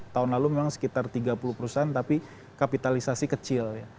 tahun lalu memang sekitar tiga puluh perusahaan tapi kapitalisasi kecil ya